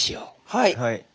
はい。